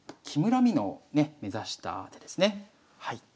木村美濃をね目指した手ですね。